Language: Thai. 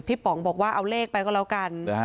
ป๋องบอกว่าเอาเลขไปก็แล้วกัน